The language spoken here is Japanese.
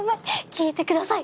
聞いてください。